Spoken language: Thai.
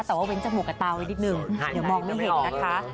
แต่ว่าเว้นจมูกกับตาไว้นิดนึงเดี๋ยวมองไม่เห็นนะคะ